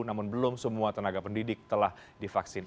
namun belum semua tenaga pendidik telah divaksin